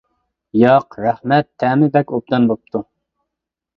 -ياق، رەھمەت، تەمى بەك ئوبدان بوپتۇ.